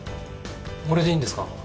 俺でいいんですか？